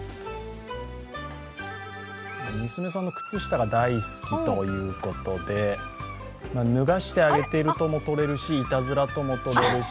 娘さんの靴下が大好きということで脱がしてあげてるともとれるし、いたずらともとれるし。